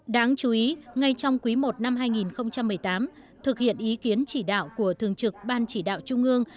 đáng chú ý ngay trong quý i năm hai nghìn một mươi tám thực hiện ý kiến chỉ đạo của thường trực ban chỉ đạo trung ương